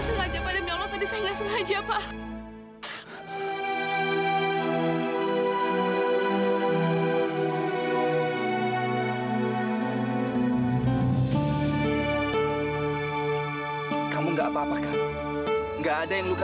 sampai jumpa di video selanjutnya